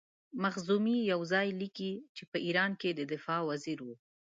مخزومي یو ځای لیکي چې په ایران کې د دفاع وزیر وو.